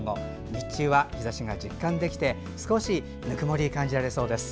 日中は日ざしが実感できて少しぬくもりを感じられそうです。